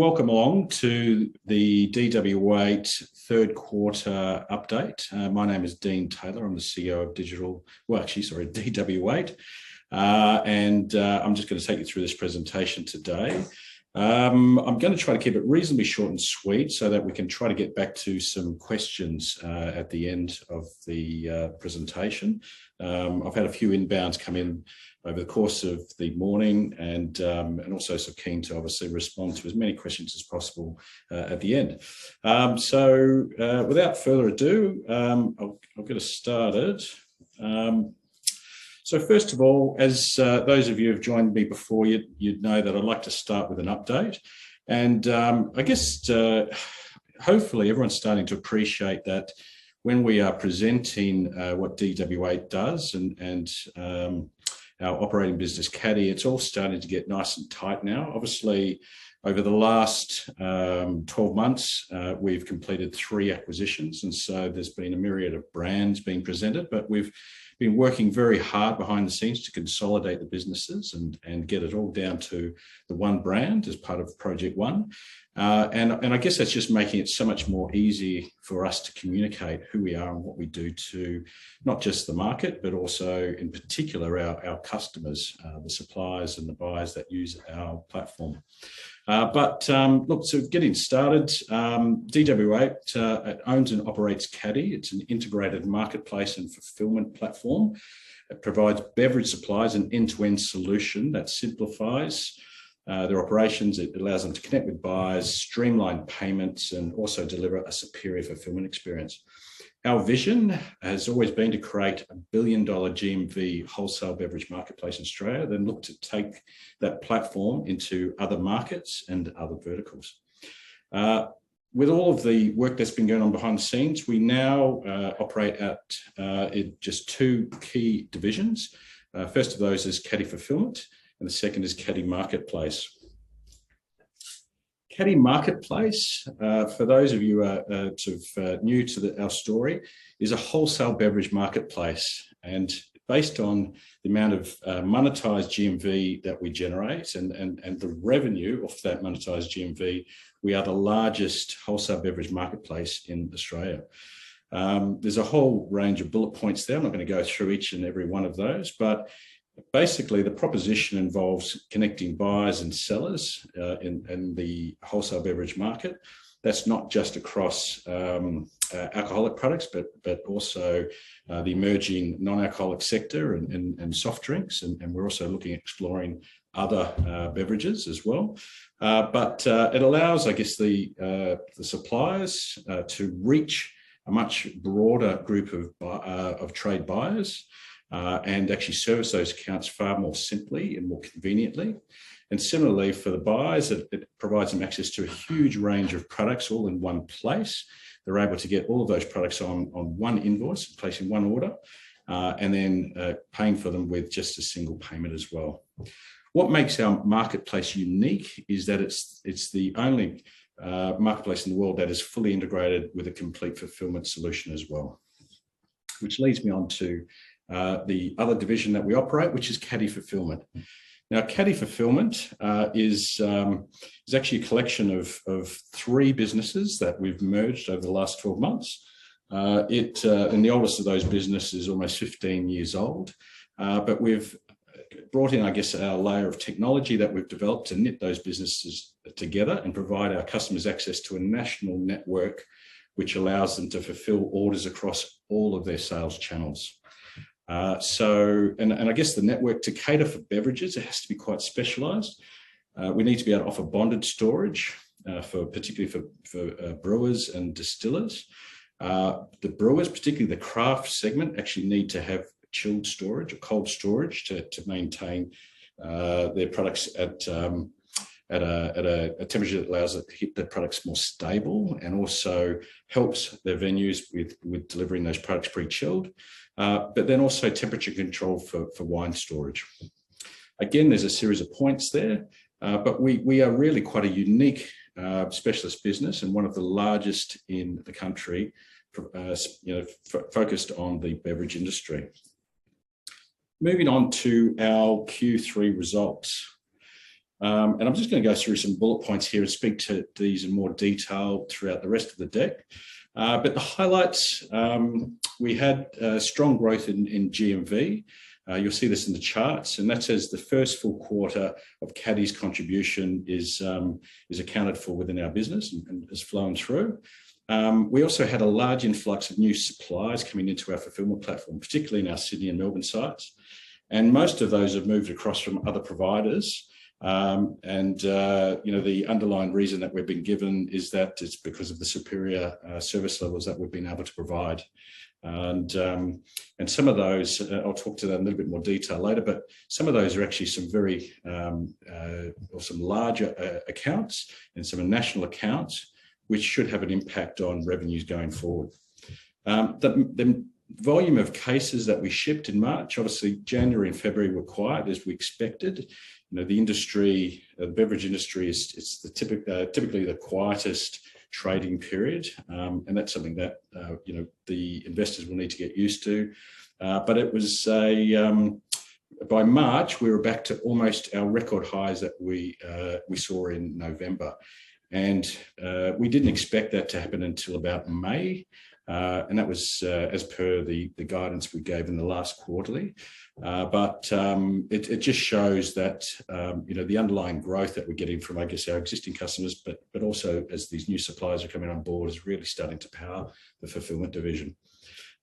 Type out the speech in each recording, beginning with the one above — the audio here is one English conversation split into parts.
Welcome along to the DW8 third quarter update. My name is Dean Taylor. I'm the CEO of DW8. I'm just gonna take you through this presentation today. I'm gonna try to keep it reasonably short and sweet so that we can try to get back to some questions at the end of the presentation. I've had a few inbounds come in over the course of the morning, and also so keen to obviously respond to as many questions as possible at the end. Without further ado, I'll get us started. First of all, as those of you who have joined me before, you'd know that I'd like to start with an update. I guess, hopefully everyone's starting to appreciate that when we are presenting what DW8 does and our operating business, Kaddy, it's all starting to get nice and tight now. Obviously, over the last 12 months, we've completed three acquisitions, and so there's been a myriad of brands being presented. We've been working very hard behind the scenes to consolidate the businesses and get it all down to the one brand as part of Project One. I guess that's just making it so much more easy for us to communicate who we are and what we do to not just the market, but also in particular our customers, the suppliers and the buyers that use our platform. Look, getting started, DW8 it owns and operates Kaddy. It's an integrated marketplace and fulfillment platform. It provides beverage suppliers an end-to-end solution that simplifies their operations. It allows them to connect with buyers, streamline payments, and also deliver a superior fulfillment experience. Our vision has always been to create $1 billion GMV wholesale beverage marketplace in Australia, then look to take that platform into other markets and other verticals. With all of the work that's been going on behind the scenes, we now operate in just two key divisions. First of those is Kaddy Fulfillment, and the second is Kaddy Marketplace. Kaddy Marketplace, for those of you sort of new to our story, is a wholesale beverage marketplace. Based on the amount of monetized GMV that we generate and the revenue of that monetized GMV, we are the largest wholesale beverage marketplace in Australia. There's a whole range of bullet points there. I'm not gonna go through each and every one of those. Basically, the proposition involves connecting buyers and sellers in the wholesale beverage market. That's not just across alcoholic products, but also the emerging non-alcoholic sector and soft drinks, and we're also looking at exploring other beverages as well. It allows, I guess, the suppliers to reach a much broader group of trade buyers and actually service those accounts far more simply and more conveniently. Similarly, for the buyers, it provides them access to a huge range of products all in one place. They're able to get all of those products on one invoice, placing one order, and then paying for them with just a single payment as well. What makes our marketplace unique is that it's the only marketplace in the world that is fully integrated with a complete fulfillment solution as well. Which leads me on to the other division that we operate, which is Kaddy Fulfillment. Now, Kaddy Fulfillment is actually a collection of three businesses that we've merged over the last 12 months. And the oldest of those businesses is almost 15 years old. We've brought in, I guess, our layer of technology that we've developed to knit those businesses together and provide our customers access to a national network which allows them to fulfill orders across all of their sales channels. I guess the network to cater for beverages, it has to be quite specialized. We need to be able to offer bonded storage particularly for brewers and distillers. The brewers, particularly the craft segment, actually need to have chilled storage or cold storage to maintain their products at a temperature that allows it to keep their products more stable and also helps their venues with delivering those products pre-chilled. Also temperature control for wine storage. Again, there's a series of points there. We are really quite a unique specialist business and one of the largest in the country, you know, focused on the beverage industry. Moving on to our Q3 results. I'm just gonna go through some bullet points here and speak to these in more detail throughout the rest of the deck. The highlights. We had strong growth in GMV. You'll see this in the charts, and that's as the first full quarter of Kaddy's contribution is accounted for within our business and is flowing through. We also had a large influx of new suppliers coming into our fulfillment platform, particularly in our Sydney and Melbourne sites. Most of those have moved across from other providers. You know, the underlying reason that we've been given is that it's because of the superior service levels that we've been able to provide. Some of those, I'll talk to that in a little bit more detail later, but some of those are actually some larger accounts and some are national accounts, which should have an impact on revenues going forward. The volume of cases that we shipped in March, obviously January and February were quiet as we expected. You know, the industry, the beverage industry is typically the quietest trading period. That's something that, you know, the investors will need to get used to. By March, we were back to almost our record highs that we saw in November. We didn't expect that to happen until about May, and that was as per the guidance we gave in the last quarterly. It just shows that you know, the underlying growth that we're getting from, I guess, our existing customers, but also as these new suppliers are coming on board, is really starting to power the fulfillment division.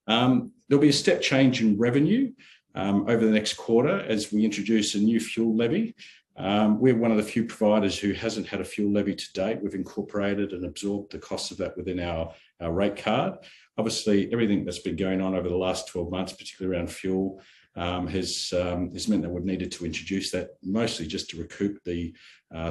There'll be a step change in revenue over the next quarter as we introduce a new fuel levy. We're one of the few providers who hasn't had a fuel levy to date. We've incorporated and absorbed the cost of that within our rate card. Obviously, everything that's been going on over the last 12 months, particularly around fuel, has meant that we've needed to introduce that mostly just to recoup the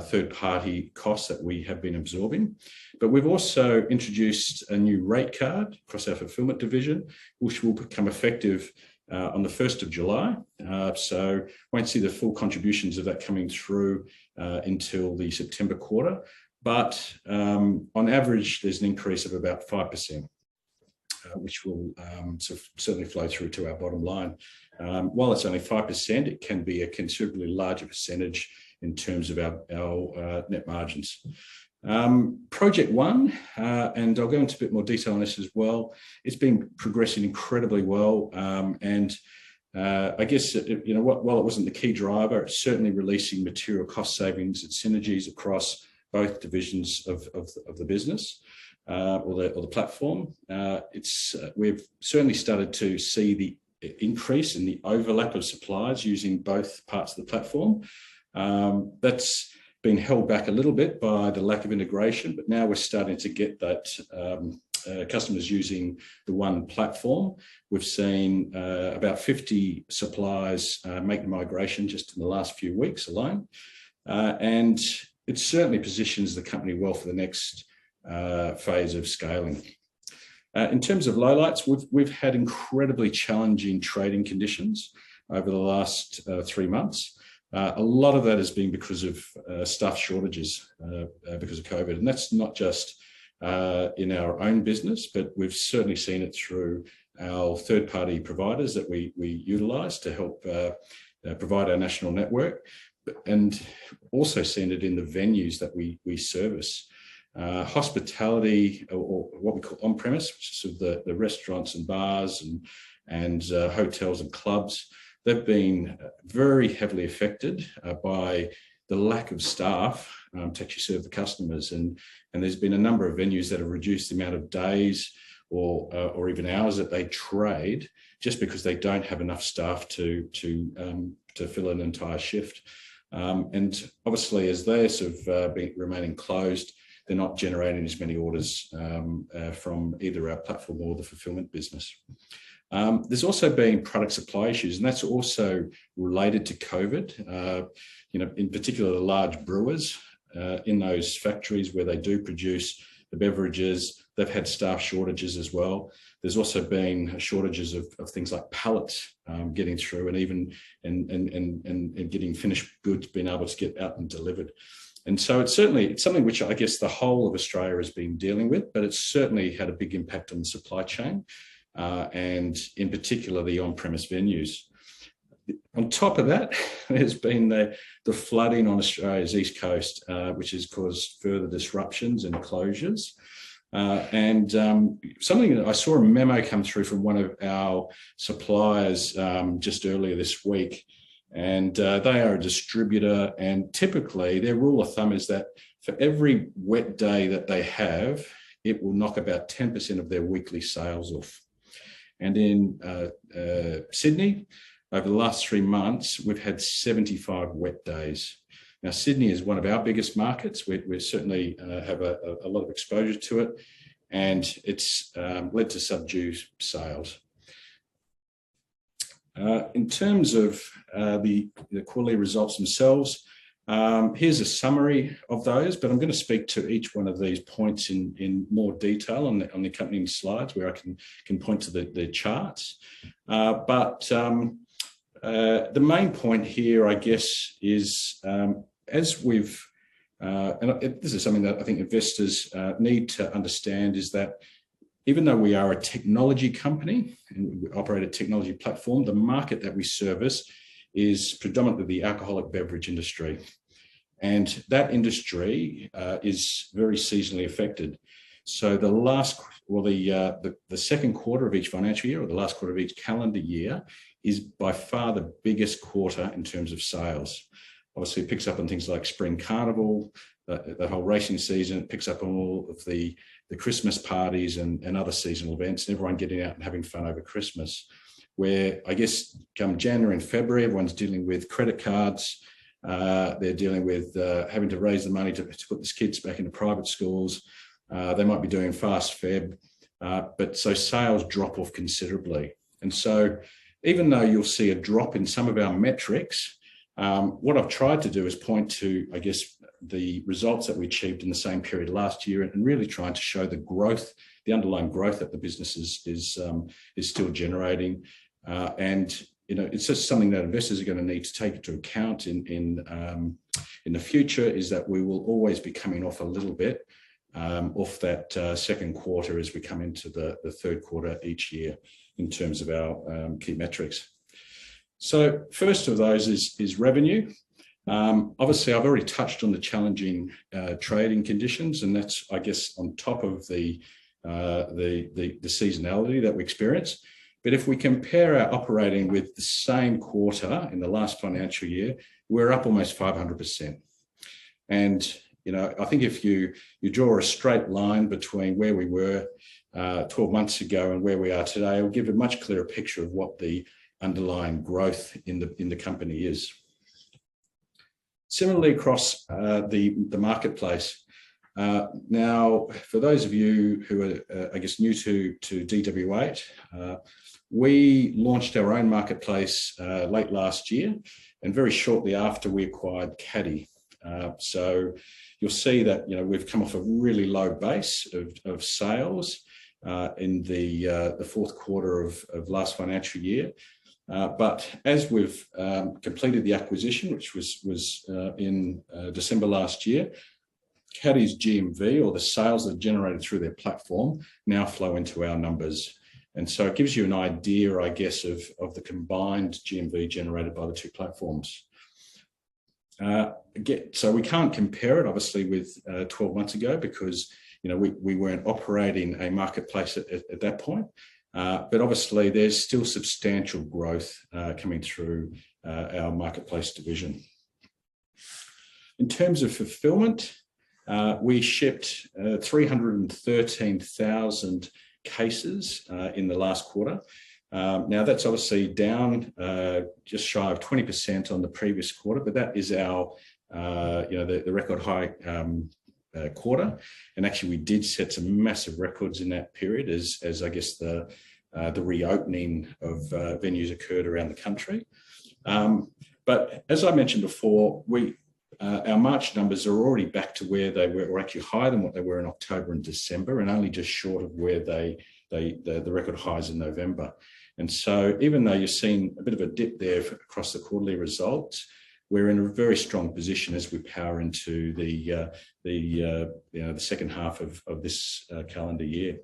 third-party costs that we have been absorbing. We've also introduced a new rate card across our fulfillment division, which will become effective on the first of July. Won't see the full contributions of that coming through until the September quarter. On average, there's an increase of about 5%, which will certainly flow through to our bottom line. While it's only 5%, it can be a considerably larger percentage in terms of our net margins. Project One, and I'll go into a bit more detail on this as well. It's been progressing incredibly well. I guess, you know, while it wasn't the key driver, it's certainly releasing material cost savings and synergies across both divisions of the business or the platform. We've certainly started to see the increase in the overlap of suppliers using both parts of the platform. That's been held back a little bit by the lack of integration, but now we're starting to get that, customers using the one platform. We've seen about 50 suppliers make the migration just in the last few weeks alone. It certainly positions the company well for the next phase of scaling. In terms of lowlights, we've had incredibly challenging trading conditions over the last three months. A lot of that has been because of staff shortages because of COVID. That's not just in our own business, but we've certainly seen it through our third-party providers that we utilize to help provide our national network, and also seen it in the venues that we service, hospitality or what we call on-premise, which is sort of the restaurants and bars and hotels and clubs. They've been very heavily affected by the lack of staff to actually serve the customers. There's been a number of venues that have reduced the amount of days or even hours that they trade just because they don't have enough staff to fill an entire shift. Obviously, as they sort of remain closed, they're not generating as many orders from either our platform or the fulfillment business. There's also been product supply issues, and that's also related to COVID. You know, in particular the large brewers, in those factories where they do produce the beverages, they've had staff shortages as well. There's also been shortages of things like pallets, getting through and getting finished goods being able to get out and delivered. It's certainly something which I guess the whole of Australia has been dealing with, but it's certainly had a big impact on the supply chain, and in particular the on-premise venues. On top of that has been the flooding on Australia's East Coast, which has caused further disruptions and closures. Something that I saw a memo come through from one of our suppliers, just earlier this week, and they are a distributor, and typically their rule of thumb is that for every wet day that they have, it will knock about 10% of their weekly sales off. In Sydney, over the last three months, we've had 75 wet days. Now Sydney is one of our biggest markets. We certainly have a lot of exposure to it and it's led to subdued sales. In terms of the quarterly results themselves, here's a summary of those, but I'm gonna speak to each one of these points in more detail on the accompanying slides where I can point to the charts. The main point here I guess is this is something that I think investors need to understand is that even though we are a technology company and we operate a technology platform, the market that we service is predominantly the alcoholic beverage industry. That industry is very seasonally affected. The second quarter of each financial year or the last quarter of each calendar year is by far the biggest quarter in terms of sales. Obviously, it picks up on things like Spring Carnival, the whole racing season. It picks up on all of the Christmas parties and other seasonal events, and everyone getting out and having fun over Christmas. Where I guess come January and February, everyone's dealing with credit cards. They're dealing with having to raise the money to put these kids back into private schools. They might be doing Febfast. Sales drop off considerably. Even though you'll see a drop in some of our metrics, what I've tried to do is point to, I guess, the results that we achieved in the same period last year and really trying to show the growth, the underlying growth that the business is still generating. You know, it's just something that investors are gonna need to take into account in the future is that we will always be coming off a little bit off that second quarter as we come into the third quarter each year in terms of our key metrics. So first of those is revenue. Obviously I've already touched on the challenging trading conditions, and that's I guess on top of the seasonality that we experience. But if we compare our operating with the same quarter in the last financial year, we're up almost 500%. You know, I think if you draw a straight line between where we were 12 months ago and where we are today, it'll give a much clearer picture of what the underlying growth in the company is. Similarly across the marketplace. Now for those of you who are, I guess, new to DW8, we launched our own marketplace late last year, and very shortly after we acquired Kaddy. So you'll see that, you know, we've come off a really low base of sales in the fourth quarter of last financial year. As we've completed the acquisition, which was in December last year, Kaddy's GMV or the sales that are generated through their platform now flow into our numbers. It gives you an idea, I guess, of the combined GMV generated by the two platforms. Again, we can't compare it obviously with 12 months ago because, you know, we weren't operating a marketplace at that point. Obviously there's still substantial growth coming through our marketplace division. In terms of fulfillment, we shipped 313,000 cases in the last quarter. Now that's obviously down just shy of 20% on the previous quarter, but that is our, you know, the record high quarter. Actually, we did set some massive records in that period as I guess the reopening of venues occurred around the country. As I mentioned before, our March numbers are already back to where they were, or actually higher than what they were in October and December, and only just short of where they, the record highs in November. Even though you're seeing a bit of a dip there across the quarterly results, we're in a very strong position as we power into you know, the second half of this calendar year.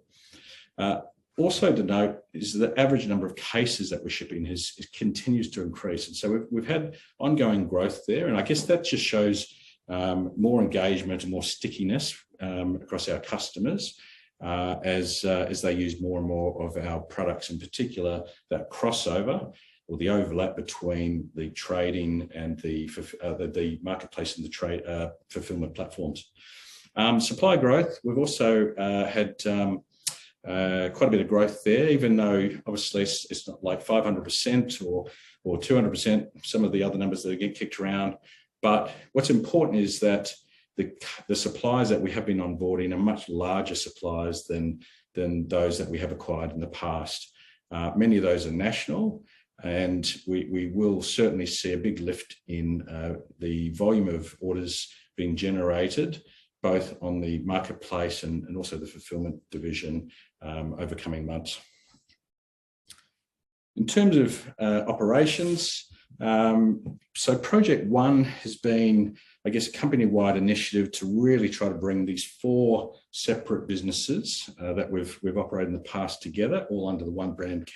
Also to note is the average number of cases that we're shipping has continues to increase. We've had ongoing growth there, and I guess that just shows more engagement and more stickiness across our customers as they use more and more of our products, in particular that crossover or the overlap between the trading and the marketplace and the trade fulfillment platforms. Supply growth. We've also had quite a bit of growth there, even though obviously it's not like 500% or 200% some of the other numbers that get kicked around. What's important is that the suppliers that we have been onboarding are much larger suppliers than those that we have acquired in the past. Many of those are national and we will certainly see a big lift in the volume of orders being generated both on the marketplace and also the fulfillment division over coming months. In terms of operations. Project One has been, I guess, a company-wide initiative to really try to bring these four separate businesses that we've operated in the past together all under the one brand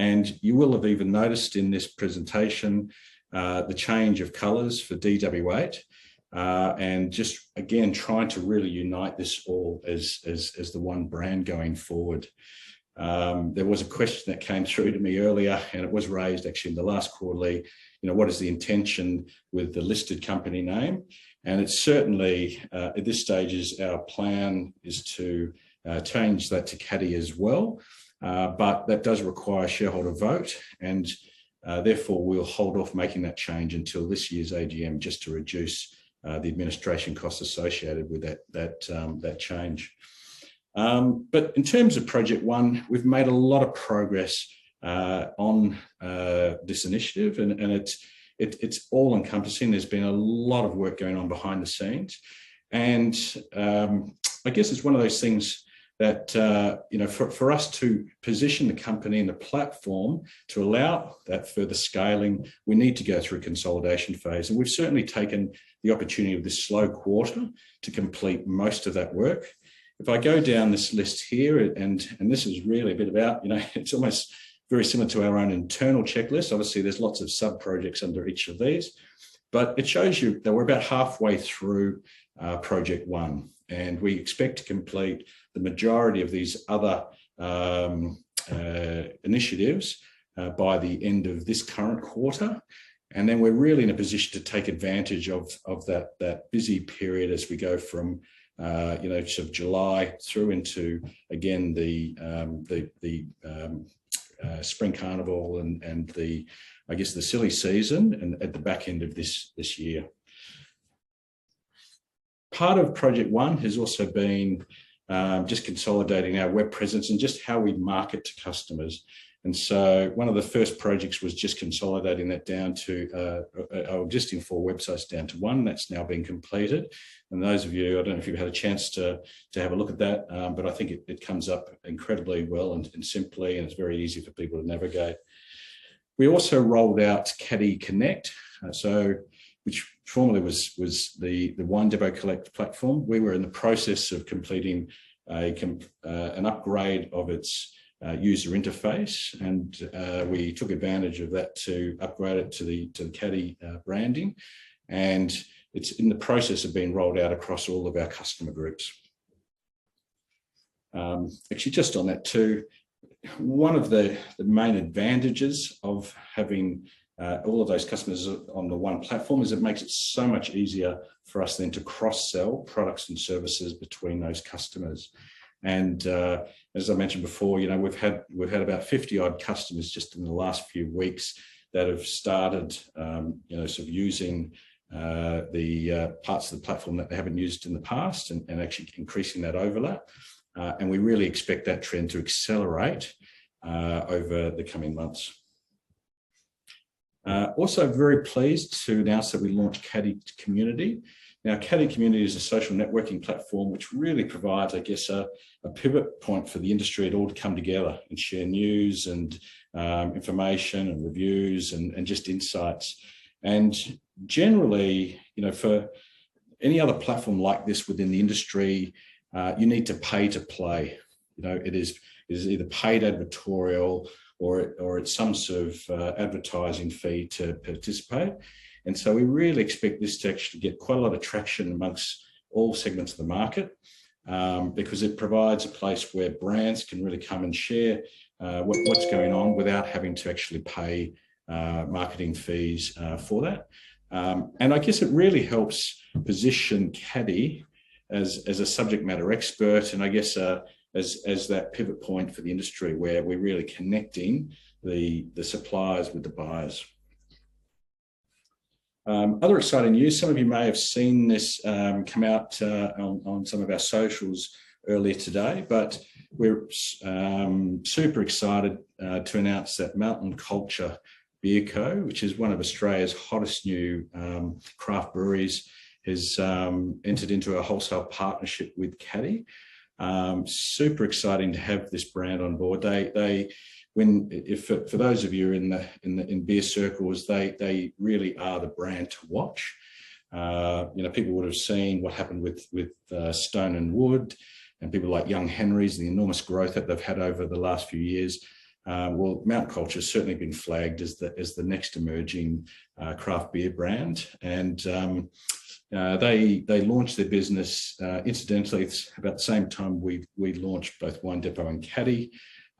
Kaddy. You will have even noticed in this presentation the change of colors for DW8. Just again, trying to really unite this all as the one brand going forward. There was a question that came through to me earlier, and it was raised actually in the last quarterly. You know, what is the intention with the listed company name? It's certainly at this stage our plan to change that to Kaddy as well. But that does require shareholder vote and therefore we'll hold off making that change until this year's AGM just to reduce the administration costs associated with that change. In terms of Project One, we've made a lot of progress on this initiative and it's all-encompassing. There's been a lot of work going on behind the scenes and I guess it's one of those things that you know, for us to position the company and the platform to allow that further scaling, we need to go through a consolidation phase. We've certainly taken the opportunity of this slow quarter to complete most of that work. If I go down this list here and this is really a bit about, you know, it's almost very similar to our own internal checklist. Obviously, there's lots of sub-projects under each of these. It shows you that we're about halfway through Project One, and we expect to complete the majority of these other initiatives by the end of this current quarter. We're really in a position to take advantage of that busy period as we go from you know sort of July through into again the Spring Carnival and the I guess the silly season and at the back end of this year. Part of Project One has also been just consolidating our web presence and just how we market to customers. One of the first projects was just consolidating that down to existing four websites down to one that's now been completed. Those of you, I don't know if you've had a chance to have a look at that, but I think it comes up incredibly well and simply, and it's very easy for people to navigate. We also rolled out Kaddy Connect, which formerly was the WineDepot Connect platform. We were in the process of completing an upgrade of its user interface, and we took advantage of that to upgrade it to the Kaddy branding. It's in the process of being rolled out across all of our customer groups. Actually just on that too, one of the main advantages of having all of those customers on the one platform is it makes it so much easier for us then to cross-sell products and services between those customers. As I mentioned before, you know, we've had about 50-odd customers just in the last few weeks that have started, you know, sort of using the parts of the platform that they haven't used in the past and actually increasing that overlap. We really expect that trend to accelerate over the coming months. Also very pleased to announce that we launched Kaddy Community. Kaddy Community is a social networking platform which really provides, I guess, a pivot point for the industry as a whole to come together and share news and information and reviews and just insights. Generally, you know, for any other platform like this within the industry, you need to pay to play. You know, it is either paid advertorial or it's some sort of advertising fee to participate. We really expect this to actually get quite a lot of traction among all segments of the market, because it provides a place where brands can really come and share what's going on without having to actually pay marketing fees for that. I guess it really helps position Kaddy as a subject matter expert and I guess as that pivot point for the industry where we're really connecting the suppliers with the buyers. Other exciting news, some of you may have seen this come out on some of our socials earlier today. We're super excited to announce that Mountain Culture Beer Co, which is one of Australia's hottest new craft breweries, has entered into a wholesale partnership with Kaddy. Super exciting to have this brand on board. For those of you in the beer circles, they really are the brand to watch. You know, people would have seen what happened with Stone & Wood and people like Young Henrys and the enormous growth that they've had over the last few years. Well, Mountain Culture has certainly been flagged as the next emerging craft beer brand. They launched their business, incidentally, it's about the same time we launched both WineDepot and Kaddy.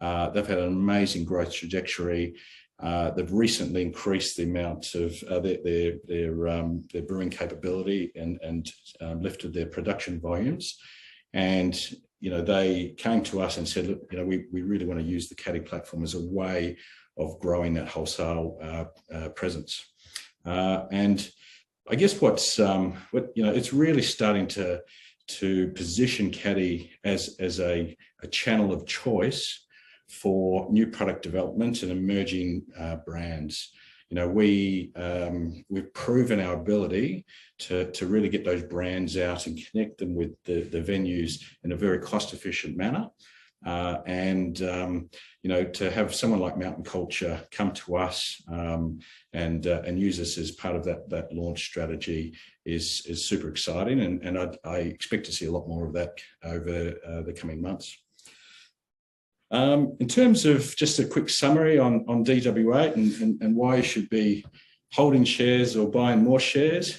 They've had an amazing growth trajectory. They've recently increased the amount of their brewing capability and lifted their production volumes. They came to us and said, "Look, you know, we really want to use the Kaddy platform as a way of growing that wholesale presence." I guess what's really starting to position Kaddy as a channel of choice for new product development and emerging brands. You know, we've proven our ability to really get those brands out and connect them with the venues in a very cost-efficient manner. You know, to have someone like Mountain Culture come to us and use us as part of that launch strategy is super exciting. I expect to see a lot more of that over the coming months. In terms of just a quick summary on DW8 and why you should be holding shares or buying more shares.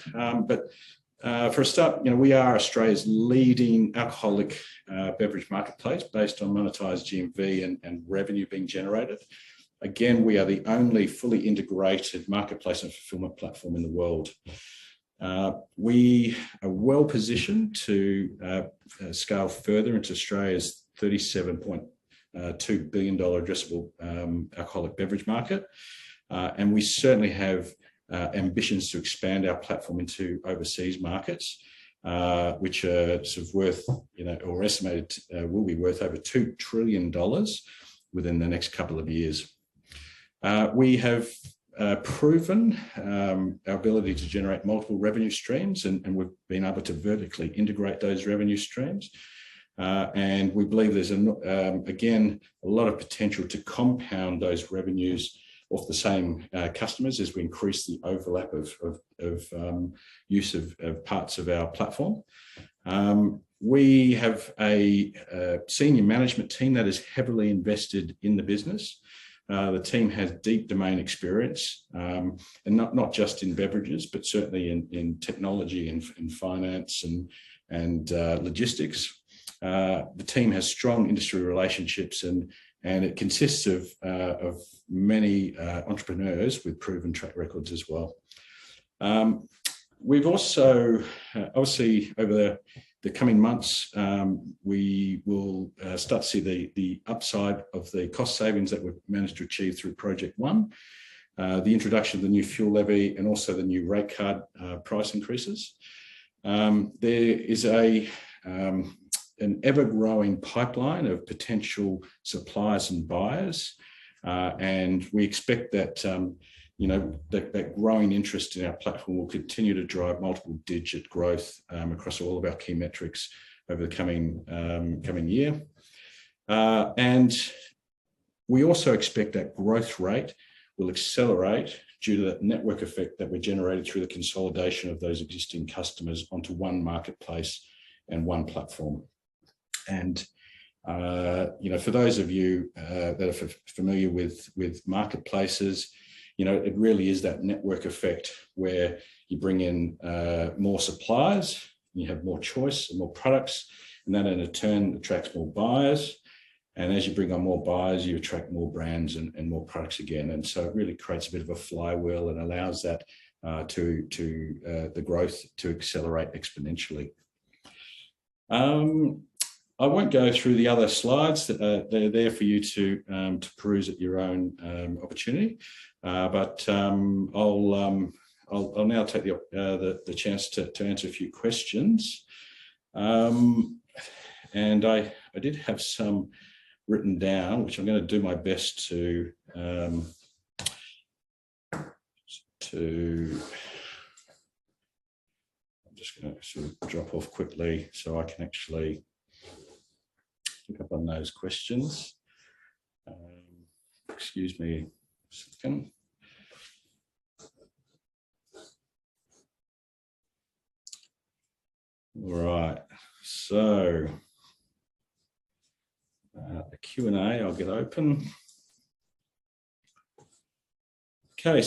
For a start, you know, we are Australia's leading alcoholic beverage marketplace based on monetized GMV and revenue being generated. Again, we are the only fully integrated marketplace and fulfillment platform in the world. We are well-positioned to scale further into Australia's 37.2 billion dollar addressable alcoholic beverage market. We certainly have ambitions to expand our platform into overseas markets, which are sort of worth, you know, or estimated will be worth over 2 trillion dollars within the next couple of years. We have proven our ability to generate multiple revenue streams, and we've been able to vertically integrate those revenue streams. We believe there's again a lot of potential to compound those revenues off the same customers as we increase the overlap of use of parts of our platform. We have a senior management team that is heavily invested in the business. The team has deep domain experience and not just in beverages, but certainly in technology and finance and logistics. The team has strong industry relationships and it consists of many entrepreneurs with proven track records as well. We've also obviously over the coming months we will start to see the upside of the cost savings that we've managed to achieve through Project One, the introduction of the new fuel levy and also the new rate card price increases. There is an ever-growing pipeline of potential suppliers and buyers. We expect that you know that growing interest in our platform will continue to drive multi-digit growth across all of our key metrics over the coming year. We also expect that growth rate will accelerate due to that network effect that we generated through the consolidation of those existing customers onto one marketplace and one platform. You know, for those of you that are familiar with marketplaces, you know, it really is that network effect where you bring in more suppliers, and you have more choice and more products, and then in turn attracts more buyers. As you bring on more buyers, you attract more brands and more products again. It really creates a bit of a flywheel and allows that the growth to accelerate exponentially. I won't go through the other slides. They're there for you to peruse at your own opportunity. I'll now take the chance to answer a few questions. I did have some written down, which I'm gonna do my best to. I'm just gonna sort of drop off quickly so I can actually pick up on those questions. Excuse me a second. All right. The Q&A I'll get open. Okay.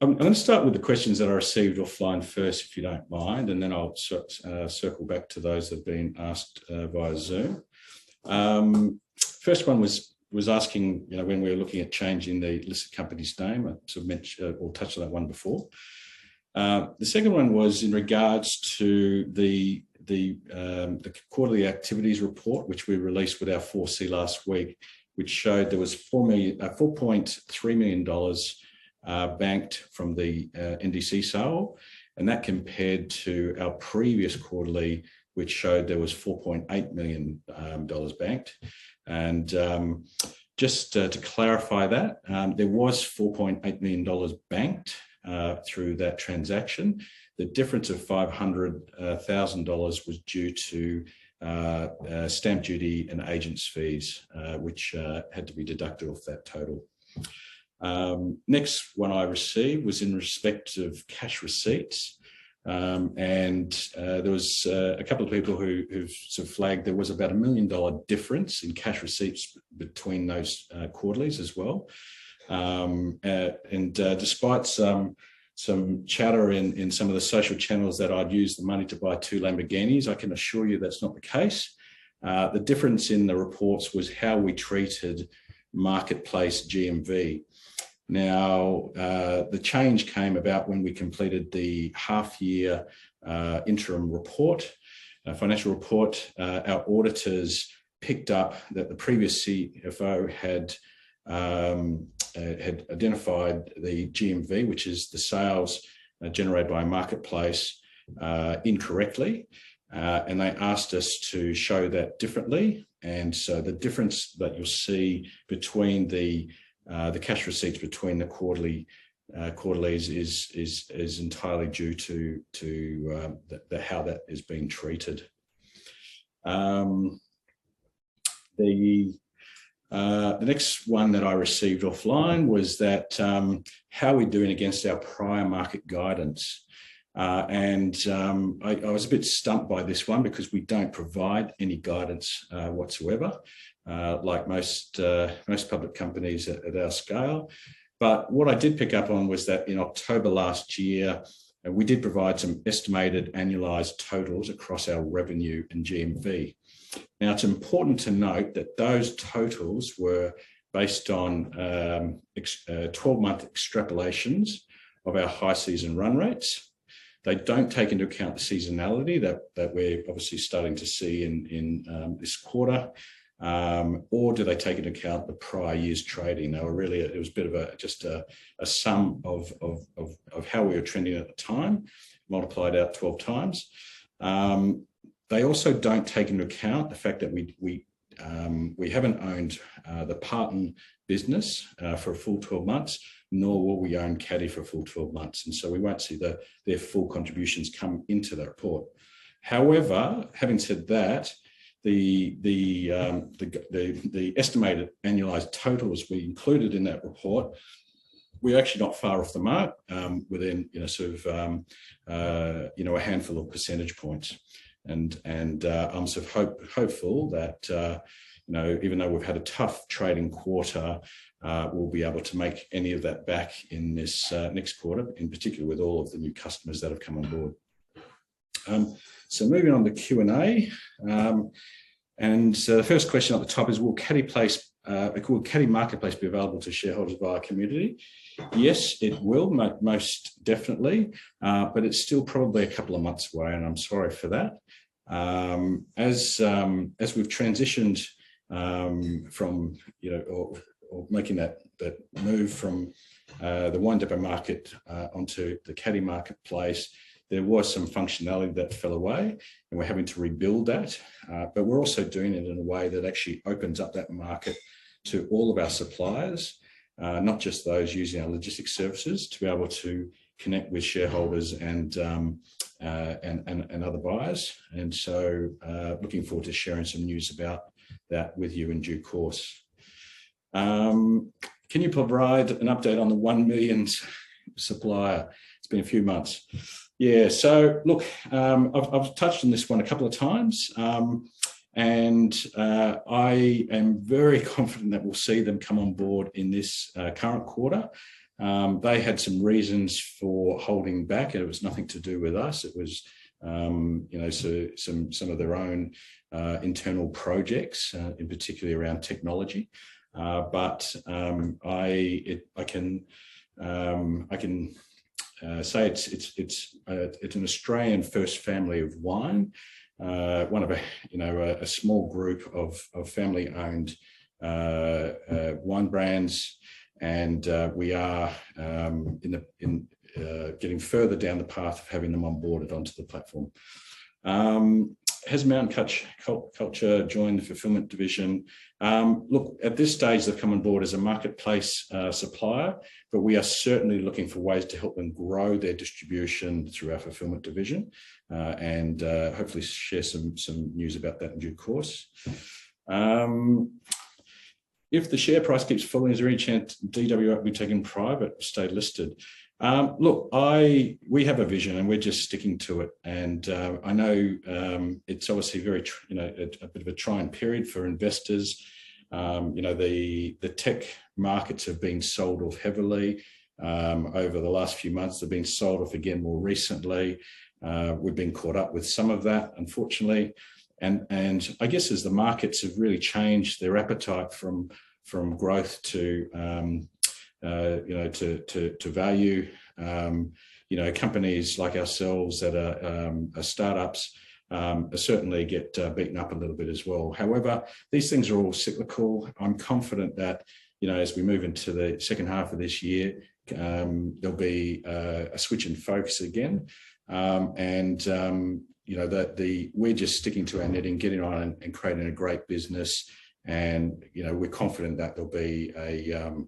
I'm gonna start with the questions that I received offline first, if you don't mind, and then I'll sort of circle back to those that have been asked via Zoom. First one was asking, you know, when we were looking at changing the listed company's name. I sort of mentioned or touched on that one before. The second one was in regards to the quarterly activities report, which we released with our 4C last week, which showed there was 4.3 million dollars banked from the NDC sale, and that compared to our previous quarterly, which showed there was 4.8 million dollars banked. Just to clarify that, there was 4.8 million dollars banked through that transaction. The difference of 500,000 dollars was due to stamp duty and agents fees which had to be deducted off that total. Next one I received was in respect of cash receipts. There was a couple of people who've sort of flagged there was about 1 million dollar difference in cash receipts between those quarterlies as well. Despite some chatter in some of the social channels that I'd use the money to buy two Lamborghinis, I can assure you that's not the case. The difference in the reports was how we treated marketplace GMV. Now, the change came about when we completed the half year interim financial report. Our auditors picked up that the previous CFO had identified the GMV, which is the sales generated by marketplace, incorrectly. They asked us to show that differently. The difference that you'll see between the cash receipts between the quarterlies is entirely due to the how that is being treated. The next one that I received offline was that, how are we doing against our prior market guidance? I was a bit stumped by this one because we don't provide any guidance whatsoever, like most public companies at our scale. What I did pick up on was that in October last year, we did provide some estimated annualized totals across our revenue and GMV. Now, it's important to note that those totals were based on 12-month extrapolations of our high season run rates. They don't take into account the seasonality that we're obviously starting to see in this quarter. Or do they take into account the prior year's trading? They were really a sum of how we were trending at the time, multiplied out 12 times. They also don't take into account the fact that we haven't owned the Parton business for a full 12 months, nor will we own Kaddy for a full 12 months, and so we won't see their full contributions come into the report. However, having said that, the estimated annualized totals we included in that report are actually not far off the mark, within you know sort of a handful of percentage points. I'm sort of hopeful that, you know, even though we've had a tough trading quarter, we'll be able to make any of that back in this next quarter, in particular with all of the new customers that have come on board. Moving on to Q&A. The first question at the top is, will Kaddy Marketplace be available to shareholders via Community? Yes, it will most definitely. It's still probably a couple of months away, and I'm sorry for that. As we've transitioned from, you know, making that move from the WineDepot Market onto the Kaddy Marketplace, there was some functionality that fell away and we're having to rebuild that. We're also doing it in a way that actually opens up that market to all of our suppliers, not just those using our logistics services to be able to connect with shareholders and and other buyers. Looking forward to sharing some news about that with you in due course. Can you provide an update on the 1 million supplier? It's been a few months. Yeah. Look, I've touched on this one a couple of times, and I am very confident that we'll see them come on board in this current quarter. They had some reasons for holding back, and it was nothing to do with us. It was, you know, so some of their own internal projects, in particular around technology. I can say it's an Australian first family of wine. One of, you know, a small group of family-owned wine brands and we are getting further down the path of having them onboarded onto the platform. Has Mountain Culture Beer Co joined the fulfillment division? Look, at this stage, they've come on board as a marketplace supplier, but we are certainly looking for ways to help them grow their distribution through our fulfillment division. Hopefully share some news about that in due course. If the share price keeps falling, is there any chance DW8 will be taken private or stay listed? Look, we have a vision, and we're just sticking to it. I know it's obviously very you know a bit of a trying period for investors. You know, the tech markets have been sold off heavily over the last few months. They've been sold off again more recently. We've been caught up with some of that, unfortunately. I guess as the markets have really changed their appetite from growth to you know to value, you know companies like ourselves that are start-ups certainly get beaten up a little bit as well. However, these things are all cyclical. I'm confident that you know as we move into the second half of this year there'll be a switch in focus again. You know, we're just sticking to our knitting and getting on and creating a great business and, you know, we're confident that there'll be a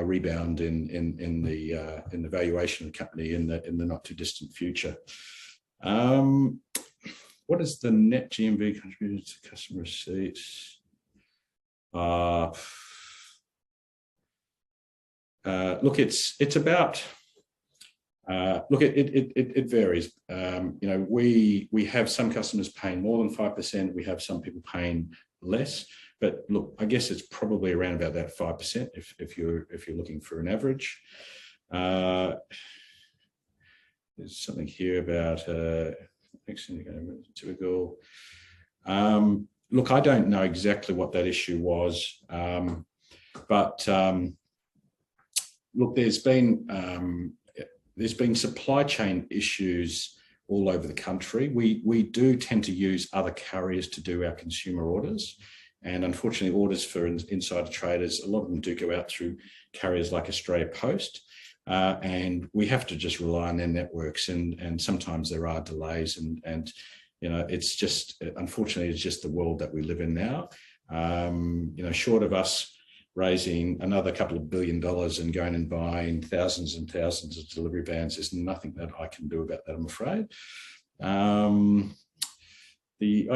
rebound in the valuation of the company in the not-too-distant future. What is the net GMV contributed to customer receipts? Look, it's about, look, it varies. You know, we have some customers paying more than 5%. We have some people paying less. Look, I guess it's probably around about that 5% if you're looking for an average. There's something here about, I think it's going to go a minute or two ago. Look, I don't know exactly what that issue was. Look, there's been supply chain issues all over the country. We do tend to use other carriers to do our consumer orders, and unfortunately, orders for Insider Traders, a lot of them do go out through carriers like Australia Post. And we have to just rely on their networks, and sometimes there are delays and, you know, it's just, unfortunately, the world that we live in now. You know, short of us raising another couple of billion dollars and going and buying thousands and thousands of delivery vans, there's nothing that I can do about that, I'm afraid. The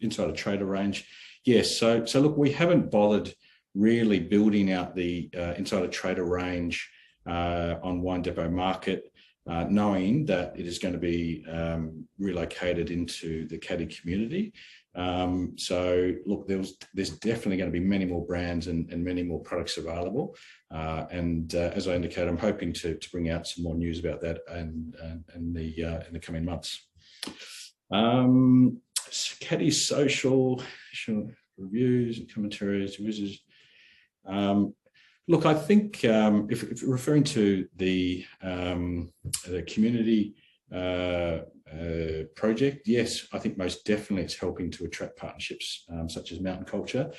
Insider Trader range. Yeah, look, we haven't bothered really building out the Insider Trader range on WineDepot Market, knowing that it is gonna be relocated into the Kaddy Community. Look, there's definitely gonna be many more brands and many more products available. As I indicated, I'm hoping to bring out some more news about that in the coming months. Kaddy social reviews and commentaries. Look, I think if you're referring to the community project, yes, I think most definitely it's helping to attract partnerships such as Mountain Culture.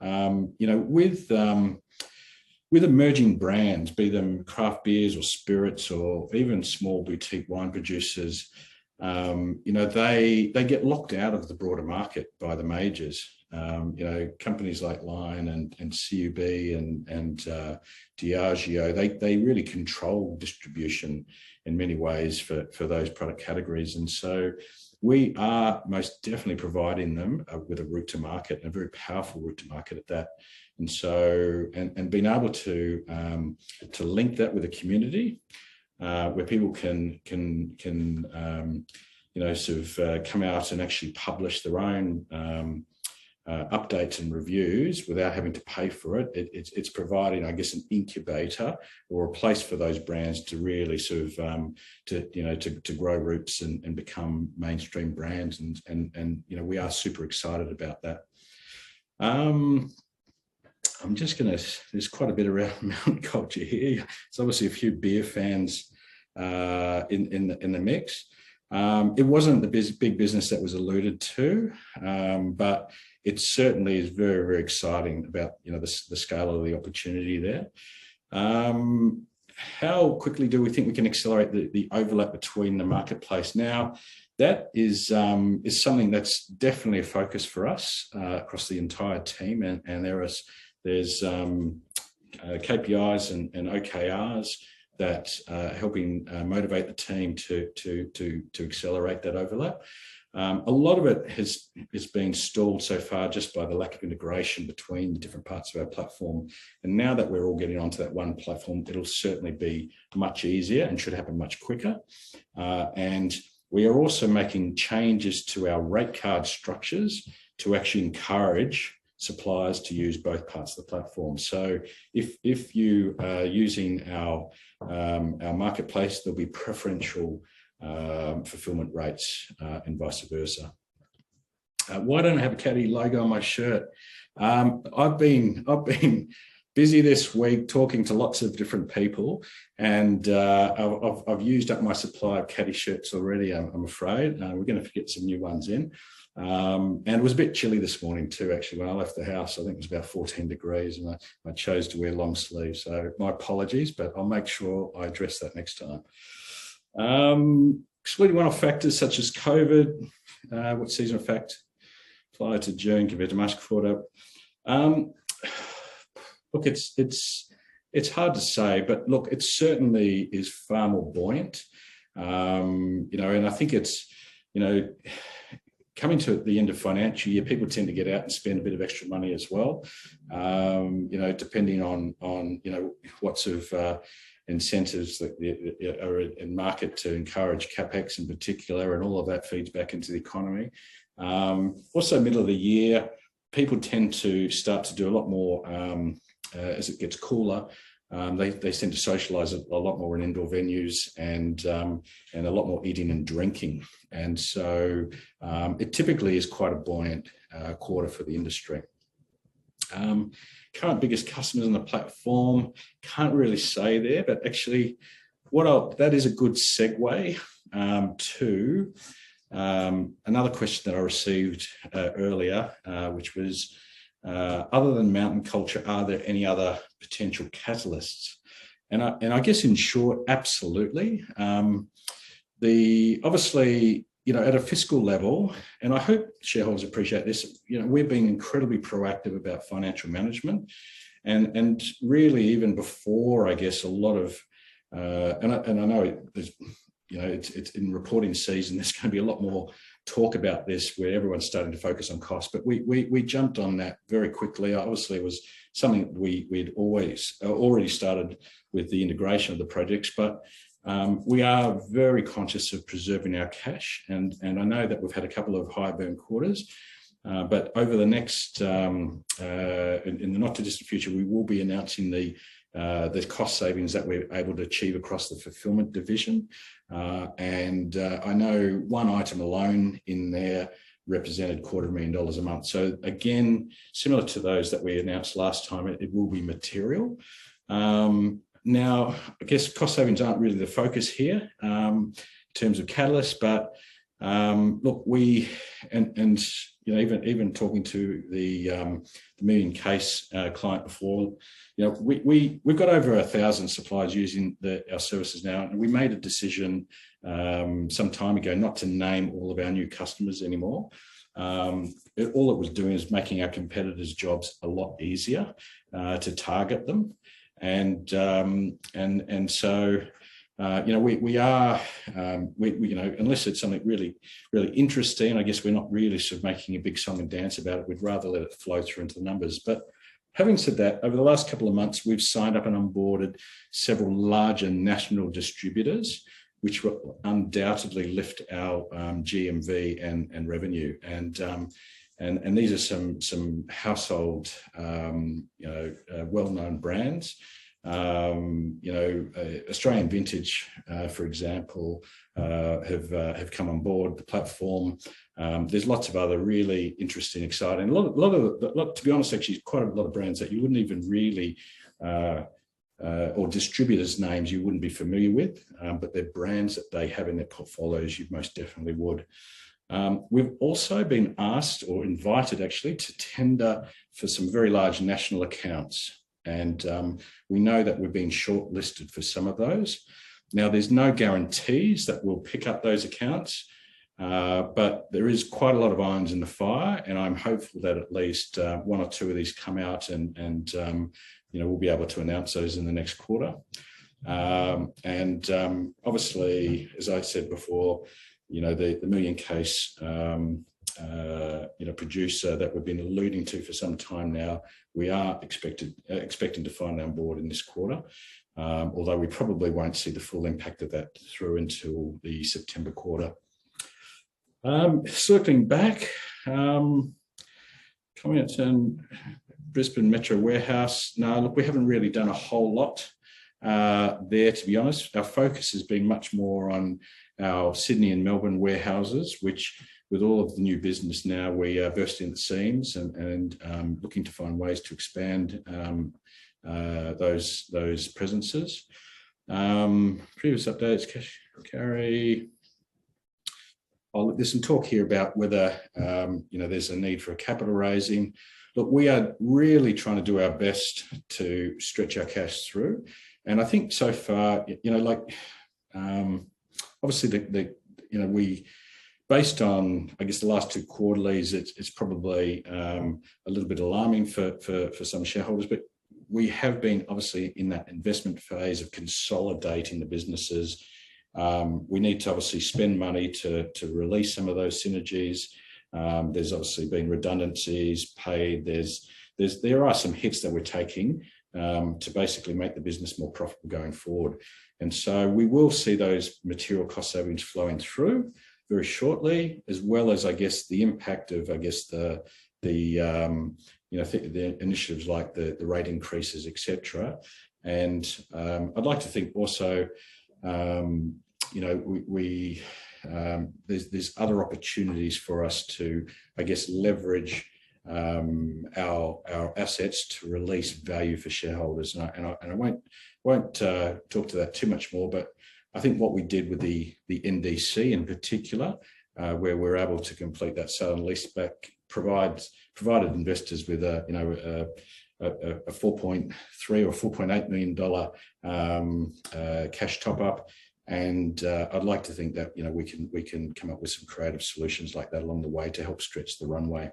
You know, with emerging brands, be them craft beers or spirits or even small boutique wine producers, you know, they get locked out of the broader market by the majors. You know, companies like Lion and CUB and Diageo, they really control distribution in many ways for those product categories. We are most definitely providing them with a route to market and a very powerful route to market at that. Being able to link that with a community where people can come out and actually publish their own updates and reviews without having to pay for it. It's providing, I guess, an incubator or a place for those brands to really sort of grow roots and become mainstream brands. You know, we are super excited about that. I'm just gonna. There's quite a bit around Mountain Culture here. There's obviously a few beer fans in the mix. It wasn't the buzz big business that was alluded to, but it certainly is very, very exciting about, you know, the scale of the opportunity there. How quickly do we think we can accelerate the overlap between the marketplace? Now, that is something that's definitely a focus for us across the entire team. There's KPIs and OKRs that helping motivate the team to accelerate that overlap. A lot of it is being stalled so far just by the lack of integration between the different parts of our platform. Now that we're all getting onto that one platform, it'll certainly be much easier and should happen much quicker. We are also making changes to our rate card structures to actually encourage suppliers to use both parts of the platform. If you are using our marketplace, there'll be preferential fulfillment rates, and vice versa. Why don't I have a Kaddy logo on my shirt? I've been busy this week talking to lots of different people and I've used up my supplier Kaddy shirts already, I'm afraid. We're gonna have to get some new ones in. It was a bit chilly this morning too, actually. When I left the house, I think it was about 14 degrees, and I chose to wear long sleeves. My apologies, but I'll make sure I address that next time. Seasonal factors such as COVID, what seasonal effect prior to June compared to March quarter? Look, it's hard to say. Look, it certainly is far more buoyant. You know, I think it's, you know, coming to the end of financial year, people tend to get out and spend a bit of extra money as well. You know, depending on, you know, what sort of incentives that there are in market to encourage CapEx in particular, and all of that feeds back into the economy. Also middle of the year, people tend to start to do a lot more, as it gets cooler, they tend to socialize a lot more in indoor venues and a lot more eating and drinking. It typically is quite a buoyant quarter for the industry. Current biggest customers on the platform. Can't really say there, but that is a good segue to another question that I received earlier, which was, other than Mountain Culture, are there any other potential catalysts? I guess in short, absolutely. Obviously, you know, at a fiscal level, and I hope shareholders appreciate this, you know, we're being incredibly proactive about financial management and really even before, I guess a lot of. I know there's, you know, it's in reporting season, there's gonna be a lot more talk about this, where everyone's starting to focus on cost. We jumped on that very quickly. Obviously it was something we'd always already started with the integration of the projects, but we are very conscious of preserving our cash and I know that we've had a couple of high burn quarters. Over the next in the not too distant future, we will be announcing the cost savings that we're able to achieve across the fulfillment division. I know one item alone in there represented a quarter of a million AUD a month. Again, similar to those that we announced last time, it will be material. Now I guess cost savings aren't really the focus here in terms of catalysts. Look, we and you know even talking to the million case client before, you know, we've got over 1,000 suppliers using our services now. We made a decision some time ago not to name all of our new customers anymore. All it was doing is making our competitors' jobs a lot easier to target them. You know, we are you know unless it's something really interesting, I guess we're not really sort of making a big song and dance about it. We'd rather let it flow through into the numbers. Having said that, over the last couple of months, we've signed up and onboarded several larger national distributors, which will undoubtedly lift our GMV and revenue. these are some household, you know, well-known brands. You know, Australian Vintage, for example, have come on board the platform. Look, to be honest, actually quite a lot of brands that you wouldn't even really, or distributors' names you wouldn't be familiar with. But they're brands that they have in their portfolios, you most definitely would. We've also been asked or invited actually to tender for some very large national accounts and we know that we've been shortlisted for some of those. Now, there's no guarantees that we'll pick up those accounts, but there is quite a lot of irons in the fire, and I'm hopeful that at least one or two of these come out and you know, we'll be able to announce those in the next quarter. Obviously, as I said before, you know, the million case you know producer that we've been alluding to for some time now, expecting to find on board in this quarter. Although we probably won't see the full impact of that through until the September quarter. Circling back, comments on Brisbane Metro warehouse. No, look, we haven't really done a whole lot there, to be honest. Our focus has been much more on our Sydney and Melbourne warehouses, which with all of the new business now we are bursting at the seams and looking to find ways to expand those presences. Previous updates. Cash & Carry. Oh, look, there's some talk here about whether you know, there's a need for a capital raising. Look, we are really trying to do our best to stretch our cash through, and I think so far, you know, like, obviously based on, I guess, the last two quarterlies, it's probably a little bit alarming for some shareholders. We have been obviously in that investment phase of consolidating the businesses. We need to obviously spend money to release some of those synergies. There's obviously been redundancies paid. There are some hits that we're taking to basically make the business more profitable going forward. We will see those material cost savings flowing through very shortly as well as I guess the impact of, I guess, the you know, the initiatives like the rate increases, et cetera. I'd like to think also, you know, there are other opportunities for us to, I guess, leverage our assets to release value for shareholders. I won't talk to that too much more. I think what we did with the NDC in particular, where we're able to complete that sale and leaseback provided investors with a, you know, a 4.3 million or 4.8 million dollar cash top up. I'd like to think that, you know, we can come up with some creative solutions like that along the way to help stretch the runway.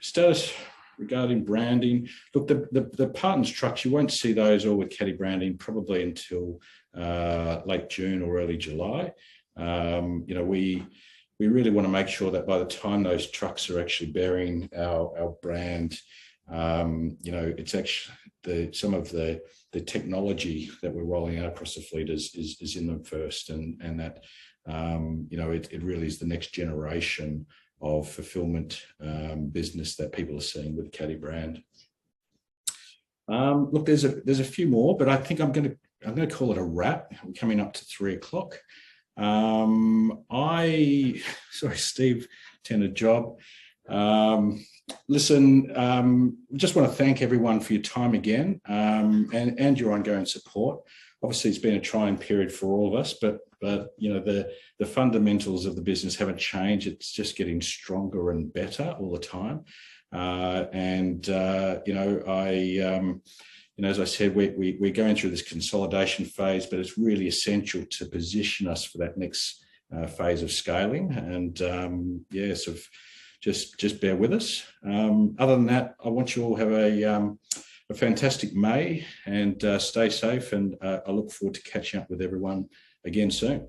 Status regarding branding. Look, the Parton trucks, you won't see those all with Kaddy branding probably until late June or early July. You know, we really wanna make sure that by the time those trucks are actually bearing our brand, you know, it's some of the technology that we're rolling out across the fleet is in them first and that, you know, it really is the next generation of fulfillment business that people are seeing with the Kaddy brand. Look, there's a few more, but I think I'm gonna call it a wrap. We're coming up to 3:00. Listen, just wanna thank everyone for your time again, and your ongoing support. Obviously, it's been a trying period for all of us, but you know, the fundamentals of the business haven't changed. It's just getting stronger and better all the time. You know, as I said, we're going through this consolidation phase, but it's really essential to position us for that next phase of scaling and yeah, so just bear with us. Other than that, I want you all have a fantastic May and stay safe, and I look forward to catching up with everyone again soon.